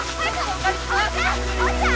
おっちゃん！